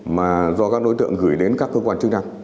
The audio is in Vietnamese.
mà do các đối tượng gửi đến các cơ quan chức năng